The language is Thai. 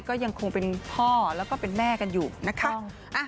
ก็ยังคงเป็นพ่อแล้วก็เป็นแม่กันอยู่นะคะ